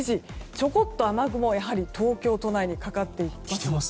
ちょこっと雨雲が東京都内にかかっています。